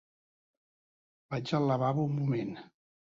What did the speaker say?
Vaig al lavabo un moment.